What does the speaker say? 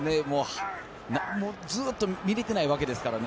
ずっと見られていないわけですからね。